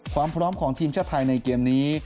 ความพร้อมของทีมชาติไทยในเกมนี้